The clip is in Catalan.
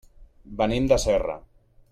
Venim de Serra.